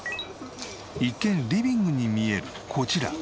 一見リビングに見えるこちら。